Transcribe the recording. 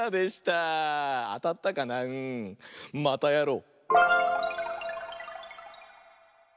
またやろう！